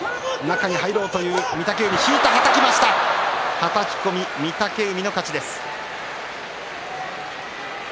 はたき込み御嶽海の勝ちです。